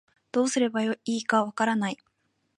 どうすればいいのかわからない